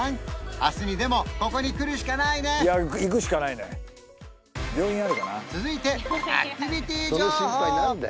明日にでもここに来るしかないね続いてアクティビティ情報！